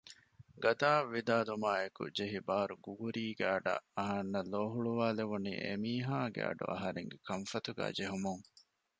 ގަދައަށް ވިދާލުމާއެކު ޖެހި ބާރު ގުގުރީގެ އަޑަށް އަހަންނަށް ލޯހުޅުވާލެވުނީ އެމީހާގެ އަޑު އަހަރެންގެ ކަންފަތުގައި ޖެހުމުން